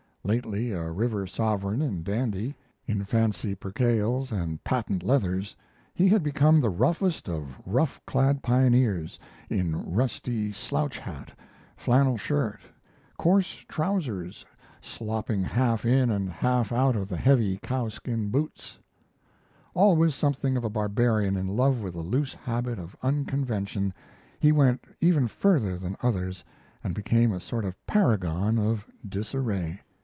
Lately a river sovereign and dandy, in fancy percales and patent leathers, he had become the roughest of rough clad pioneers, in rusty slouch hat, flannel shirt, coarse trousers slopping half in and half out of the heavy cowskin boots Always something of a barbarian in love with the loose habit of unconvention, he went even further than others and became a sort of paragon of disarray.